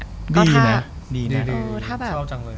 มีนะดีชอบจังเลย